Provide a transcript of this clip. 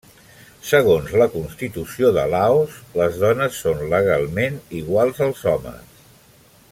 Segons la Constitució de Laos, les dones són legalment iguals als homes.